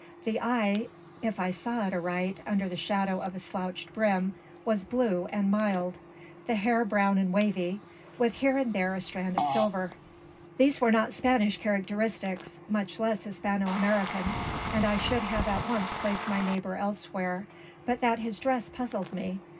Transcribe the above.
The eye, if I saw it aright under the shadow of a slouched brim, was blue and mild; the hair brown and wavy, with here and there a strand of silver. These were not Spanish characteristics, much less Hispano American; and I should have at once placed my neighbour elsewhere, but that his dress puzzled me.